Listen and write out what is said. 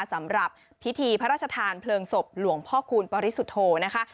สำหรับพิธีพระราชทานเพลิงศพหลวงพ่อคูณปริสุทธโธนะคะ